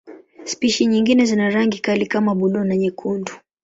Spishi nyingine zina rangi kali kama buluu na nyekundu.